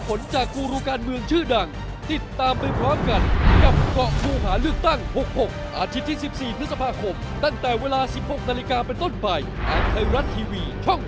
โปรดติดตามตอนต่อไป